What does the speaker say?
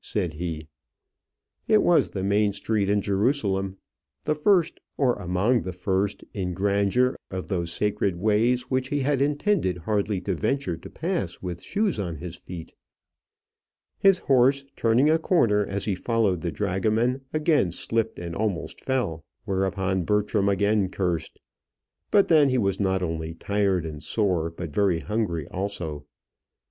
said he. It was the main street in Jerusalem. The first, or among the first in grandeur of those sacred ways which he had intended hardly to venture to pass with shoes on his feet. His horse turning a corner as he followed the dragoman again slipped and almost fell. Whereupon Bertram again cursed. But then he was not only tired and sore, but very hungry also.